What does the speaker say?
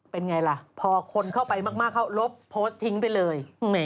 เป็นไงล่ะพอคนเข้าไปมากเขาลบโพสต์ทิ้งไปเลย